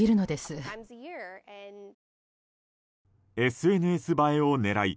ＳＮＳ映えを狙い